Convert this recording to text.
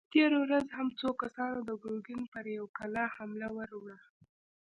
تېره ورځ هم څو کسانو د ګرګين پر يوه کلا حمله ور وړه!